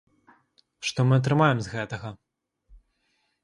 Што мы атрымаем з гэтага?